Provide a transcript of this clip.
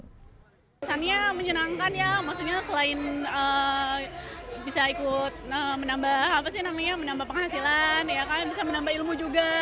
misalnya menyenangkan ya maksudnya selain bisa ikut menambah penghasilan bisa menambah ilmu juga